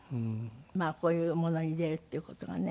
まあこういうものに出るっていう事がね。